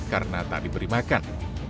karena tak diberi makan